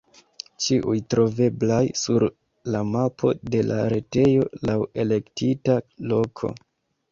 Ĉiuj troveblas sur la mapo de la retejo laŭ elektita loko.